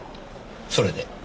それで？